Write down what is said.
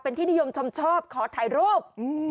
เป็นที่นิยมชมชอบขอถ่ายรูป